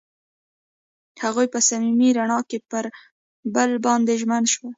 هغوی په صمیمي رڼا کې پر بل باندې ژمن شول.